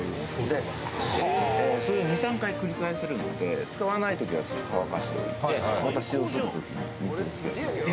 それを２３回繰り返せるので使わないときは乾かしといてまた使用するときに水に漬けて。